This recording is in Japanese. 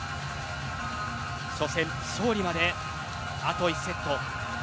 初戦勝利まであと１セット。